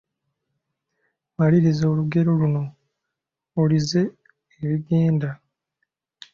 Maliriza olugero luno: Olizze ebigenda, …..